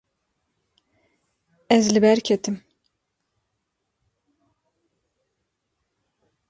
Ez li ber ketim.